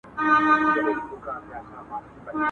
په داسي چاپېريال کي